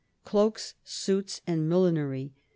Cloaks, Suits and Millinery.